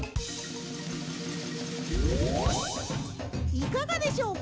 いかがでしょうか？